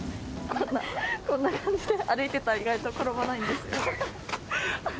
こんな感じで歩いてたら、意外と転ばないんですよ。